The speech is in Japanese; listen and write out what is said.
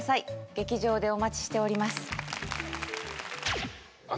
劇場でお待ちしております。